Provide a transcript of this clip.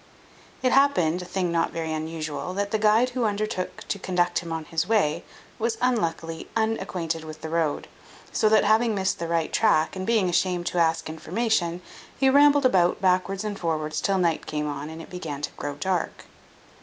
It happened (a thing not very unusual), that the guide who undertook to conduct him on his way, was unluckily unacquainted with the road; so that having missed his right track, and being ashamed to ask information, he rambled about backwards and forwards till night came on, and it began to grow dark.